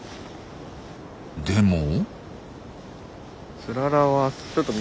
でも。